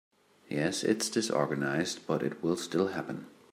Yes, it’s disorganized but it will still happen.